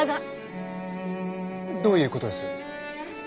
どういう事です？